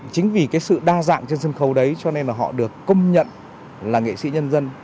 chính vì cái sự đa dạng trên sân khấu đấy cho nên là họ được công nhận là nghệ sĩ nhân dân